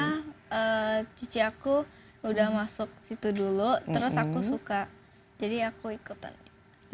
karena cici aku sudah masuk situ dulu terus aku suka jadi aku ikut aja